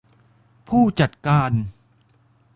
ผู้จัดการ